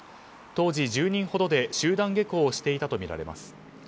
当時、１０人ほどで集団下校をしていたとみられます。